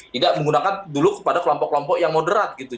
tidak menggunakan dulu kepada kelompok kelompok yang moderat gitu